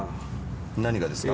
何がですか？